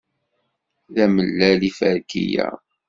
D amellal yiferki-a?